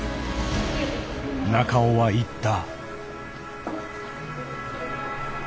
中尾は言った。